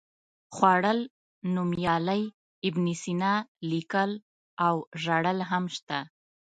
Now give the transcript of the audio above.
خوړل، نومیالی، ابن سینا، لیکل او ژړل هم شته.